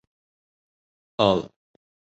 ol